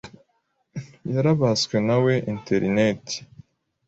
yarabaswe nawe interineti.